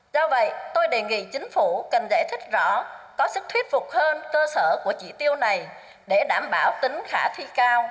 do vậy tôi đề nghị chính phủ cần giải thích rõ có sức thuyết phục hơn cơ sở của chỉ tiêu này để đảm bảo tính khả thi cao